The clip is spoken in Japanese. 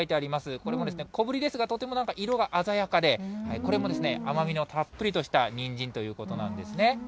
これも小ぶりですが、とてもなんか、色が鮮やかで、これも甘みのたっぷりとした、にんじんということなんですね。